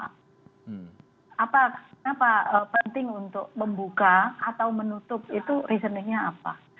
kenapa penting untuk membuka atau menutup itu reasoningnya apa